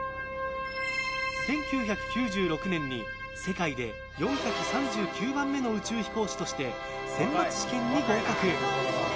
１９９６年に世界で４３９番目の宇宙飛行士として選抜試験に合格。